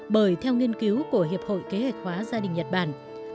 bởi theo nghiên cứu của hiệp hội kế hoạch hóa gia đình nhật bản